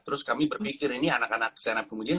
terus kami berpikir ini anak anak stand up comedian